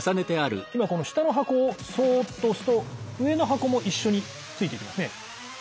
今この下の箱をそっと押すと上の箱も一緒についてきますね。